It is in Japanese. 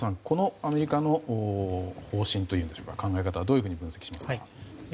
このアメリカの方針というんでしょうか考え方はどういうふうに分析しますか？